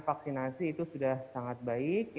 vaksinasi itu sudah sangat baik